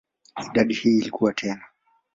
Idadi hii ilikua tena.